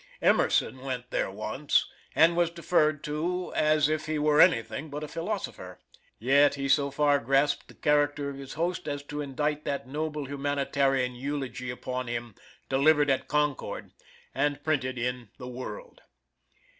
Emerson went there once, and was deferred to us if he were anything but a philosopher. Yet he so far grasped the character of his host as to indite that noble humanitarian eulogy upon him, delivered at Concord, and printed in the WORLD.